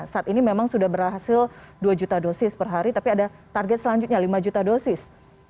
saat ini memang sudah berhasil dua juta dosis per hari tapi ada target selanjutnya lima juta dosis